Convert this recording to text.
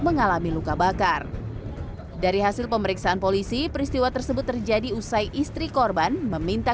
mengalami luka bakar dari hasil pemeriksaan polisi peristiwa tersebut terjadi usai istri korban meminta